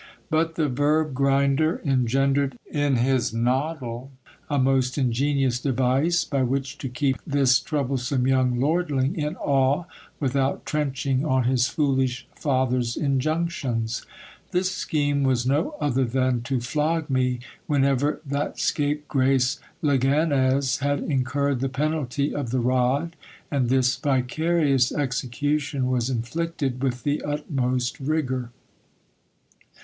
But the verb grinder engendered in his noddle a most ingenious device, by which to keep this troublesome young lordling in awe, without trenching on his foolish father's injunctions. This scheme was no other than to flog me when ever that scape grace Leganez had incurred the penalty of the rod, and this vicarious execution was inflicted with the utmost rigour.